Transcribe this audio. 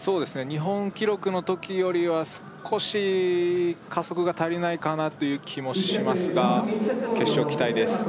日本記録の時よりは少し加速が足りないかなという気もしますが決勝期待です